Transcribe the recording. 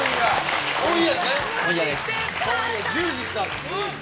今夜１０時スタート。